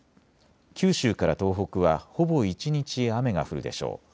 九州から東北はほぼ一日雨が降るでしょう。